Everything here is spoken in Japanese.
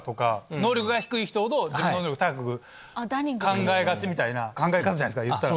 能力が低い人ほど自分の能力高く考えがちみたいな考え方じゃないですか言ったら。